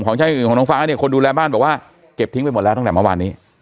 ช่างอื่นของน้องฟ้าเนี่ยคนดูแลบ้านบอกว่าเก็บทิ้งไปหมดแล้วตั้งแต่เมื่อวานนี้